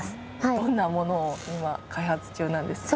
どんなものを今開発中なんですか？